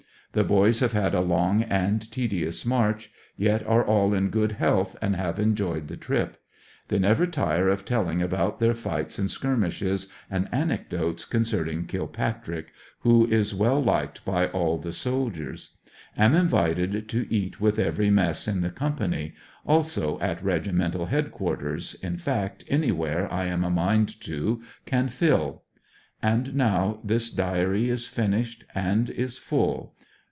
The boys have had a long and tedious march, yet are all in good health and have enjoyed the trip. They never tire of telling about their lights and skirmishes, and anecdotes concerning Kilpatrick, who is well liked by all the soldiers. Am invited to eat with every mess in the company, also at regimental headquarters, in fact, anywhere I am a mind to, can fill. And now this Diary is finished and is full.